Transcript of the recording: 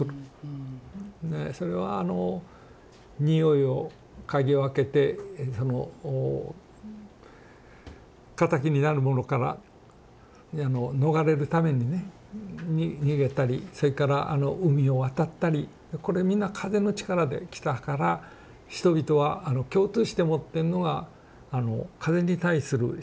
それはにおいを嗅ぎ分けて敵になるものから逃れるためにね逃げたりそれから海を渡ったりこれみんな風の力で来たから人々はあの共通して持ってんのが風に対する信仰なんですね。